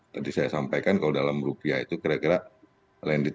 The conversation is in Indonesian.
jadi saya sampaikan kalau dalam rupiah itu kira kira lendit